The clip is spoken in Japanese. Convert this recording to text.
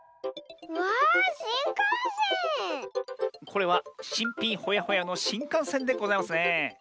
これはしんぴんホヤホヤのしんかんせんでございますねえ。